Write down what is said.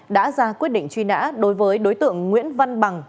đã ra quyết định truy nã đối với đối tượng nguyễn văn bằng